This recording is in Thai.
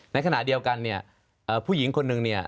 ในขณะเดียวกันเนี่ยผู้หญิงคนนึงเนี่ย